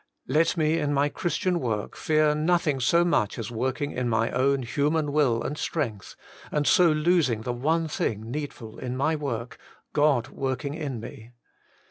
Let me in my Christian work fear nothing so much as working in my own human will and strength, and so losing the one thing needful in my work, God working in me.